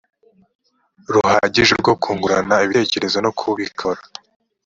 ruhagije rwo kungurana ibitekerezo no kubikora